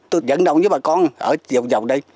tôi dẫn đồng với bà con ở dầu dầu đây